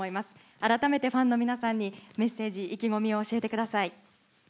改めてファンの皆さんにメッセージや意気込みを教えてください。